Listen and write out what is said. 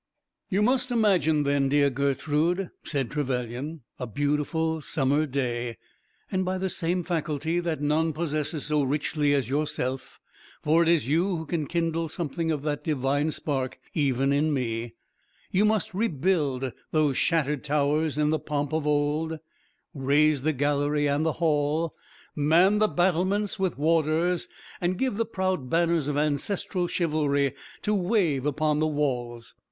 You must imagine, then, dear Gertrude (said Trevylyan), a beautiful summer day, and by the same faculty that none possess so richly as yourself, for it is you who can kindle something of that divine spark even in me, you must rebuild those shattered towers in the pomp of old; raise the gallery and the hall; man the battlements with warders, and give the proud banners of ancestral chivalry to wave upon the walls.